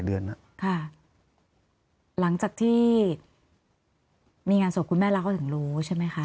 เดือนน่ะค่ะหลังจากที่มีงานศพคุณแม่รักเขาถึงรู้ใช่ไหมคะ